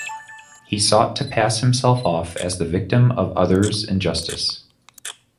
He sought to pass himself off as the victim of others' injustice.